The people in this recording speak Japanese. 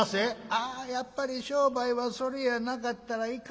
「ああやっぱり商売はそれやなかったらいかん。